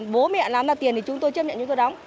bố mẹ làm ra tiền thì chúng tôi chấp nhận chúng tôi đóng